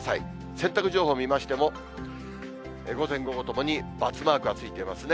洗濯情報見ましても、午前、午後ともに×マークがついていますね。